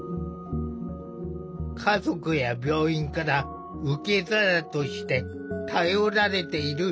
家族や病院から受け皿として頼られている滝山病院。